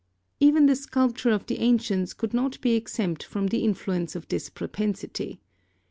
Even the sculpture of the ancients could not be exempt from the influence of this propensity.